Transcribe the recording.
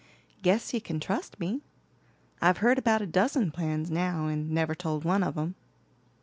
"Guess you can trust me. I've heard about a dozen plans now, and never told one of 'em."